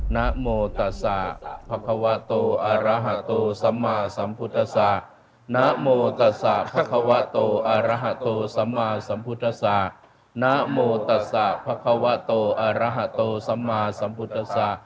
นโมตสะภัควะโตอรหะโตสัมมาสัมพุทธสะ